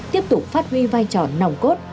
tiếp tục phát huy vai trò nòng cốt